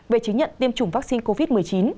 về chứng nhận tiêm chủng vaccine covid một mươi chín